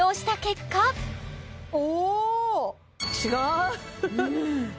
違う！